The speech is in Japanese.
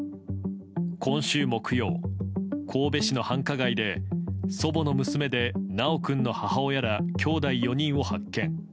今週木曜、神戸市の繁華街で祖母の娘で修君の母親らきょうだい４人を発見。